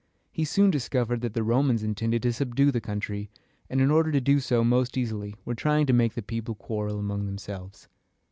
He soon discovered that the Romans intended to subdue the country, and in order to do so most easily were trying to make the people quarrel among themselves.